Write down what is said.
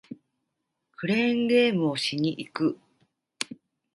クレーンゲームをしに行く